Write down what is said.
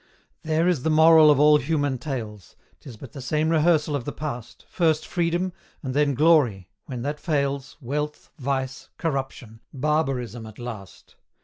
There is the moral of all human tales: 'Tis but the same rehearsal of the past, First Freedom, and then Glory when that fails, Wealth, vice, corruption barbarism at last.